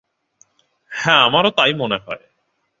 হ্যাঁ, আমারও তাই মনে হয়।